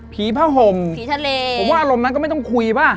ผีผ้าห่มผมว่าอารมณ์นั้นก็ไม่ต้องคุยป่ะ